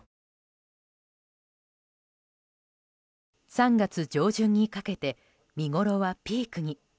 ３月上旬にかけて見頃はピークに。